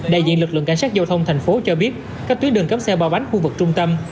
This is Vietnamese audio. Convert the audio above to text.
đại diện lực lượng cảnh sát giao thông thành phố cho biết các tuyến đường cấm xe ba bánh khu vực trung tâm